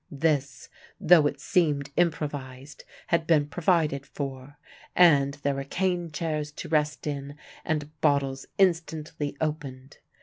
This, though it seemed improvised, had been provided for, and there were cane chairs to rest in, and bottles instantly opened.